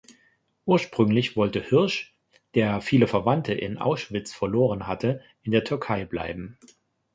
Ursprünglich wollte Hirsch, der viele Verwandte in Auschwitz verloren hatte, in der Türkei bleiben.